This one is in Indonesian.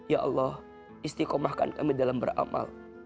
ya allah istikomahkan kami dalam beramal